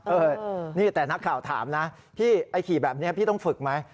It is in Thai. เออนี่แต่นักข่าวถามนะพี่ไอ้ขี่แบบนี้พี่ต้องฝึกไหม